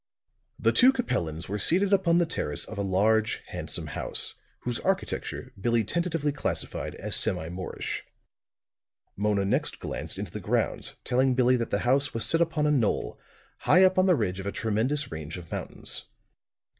The two Capellans were seated upon the terrace of a large, handsome house, whose architecture Billie tentatively classified as semi Moorish. Mona next glanced into the grounds, telling Billie that the house was set upon a knoll, high up on the ridge of a tremendous range of mountains.